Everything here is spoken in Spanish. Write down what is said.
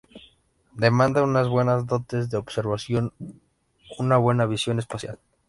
Demanda unas buenas dotes de observación, una buena visión espacial.